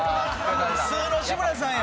素の志村さんや。